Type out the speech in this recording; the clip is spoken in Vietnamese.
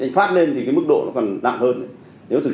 anh pháp lên thì cái mức độ nó còn nặng hơn